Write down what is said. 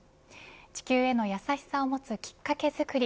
地球への優しさを持つきっかけづくり